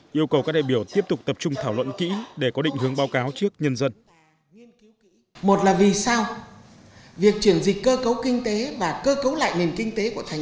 yêu cầu các đại biểu tiếp tục tập trung thảo luận kỹ để có định hướng báo cáo trước nhân dân